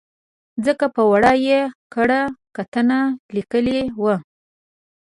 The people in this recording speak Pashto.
ځکه په ور ه یې کره کتنه لیکلې وه.